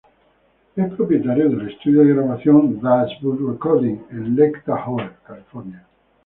Es propietario del estudio de grabación "das boot recording" en Lake Tahoe, California.